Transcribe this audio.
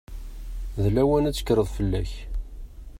D lawan ad tekkreḍ fell-ak.